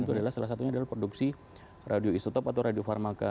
itu adalah salah satunya adalah produksi radio isotope atau radio farmaka